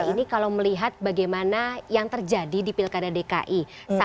ini kalau melihat bagaimana yang terjadi di pilkada dki